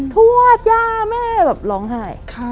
ทวดย่าแม่แบบร้องไห้